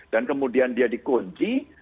dan kemudian dia dikunci